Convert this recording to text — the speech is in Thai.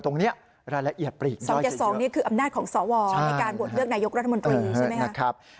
ตรงนี้รายละเอียดปลีก๒๗๒นี่คืออำนาจของสวในการโหวตเลือกนายกรัฐมนตรีใช่ไหมครับ